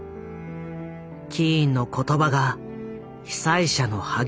キーンの言葉が被災者の励みになる。